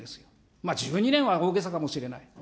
まあ１２年は大げさかもしれない。